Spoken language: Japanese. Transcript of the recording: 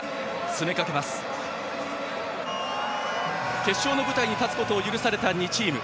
決勝の舞台に立つことを許された２チーム。